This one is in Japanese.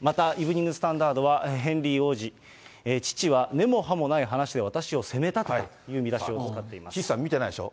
また、イブニング・スタンダードは、ヘンリー王子、父は根も葉もない話で私を責めたかったという見出しを使っていま岸さん、見てないでしょ。